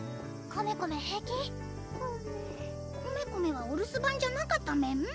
コメコメコメはお留守番じゃなかったメン？